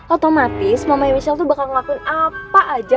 otomatis mama michelle tuh bakal ngelakuin apa aja